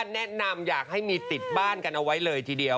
แนะนำอยากให้มีติดบ้านกันเอาไว้เลยทีเดียว